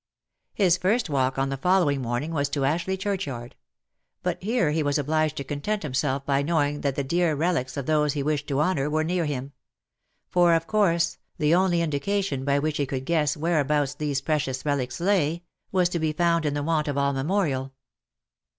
His first walk on the following morning was to Ashleigh churchyard ; but here he was obliged to content himself by knowing that the dear relics of those he . wished to honour were near him ; for, of course, the only indication by which he could guess whereabouts these I OF MICHAEL ARMSTRONG. 307 precious relics lay, was to be found in the want of all memorial.